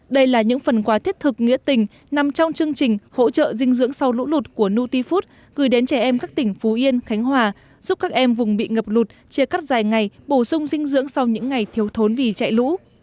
đây là những phần quà thiết thực nghĩa tình nằm trong chương trình hỗ trợ dinh dưỡng sau lũ lụt của nutifood gửi đến trẻ em các tỉnh phú yên khánh hòa giúp các em vùng bị ngập lụt chia cắt dài ngày bổ sung dinh dưỡng sau những ngày thiếu thốn vì chạy lũ